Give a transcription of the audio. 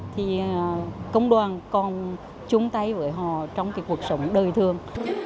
thì công đoàn còn chung tay với họ trong cái cuộc sống đời thương